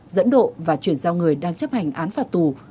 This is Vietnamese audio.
dẫn độ và chuyển giao người đang chấp hành án phạt tù